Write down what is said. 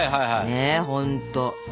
ねえほんと最高。